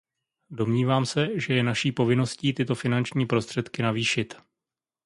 Domnívám se, že je naší povinností tyto finanční prostředky navýšit.